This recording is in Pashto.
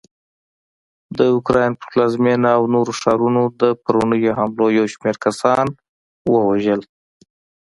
د اوکراین پر پلازمېنه او نورو ښارونو د پرونیو حملو یوشمېر کسان ووژل